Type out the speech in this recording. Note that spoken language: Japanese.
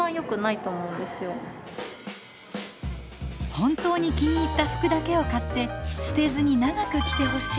本当に気に入った服だけを買って捨てずに長く着てほしい。